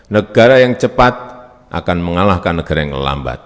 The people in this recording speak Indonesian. negara yang cepat akan mengalahkan negara yang lambat